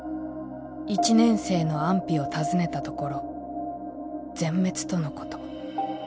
１年生の安否を尋ねたところ全滅とのこと。